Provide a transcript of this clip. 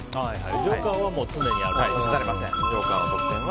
ジョーカーは常にあると。